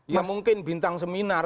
ya mungkin bintang seminar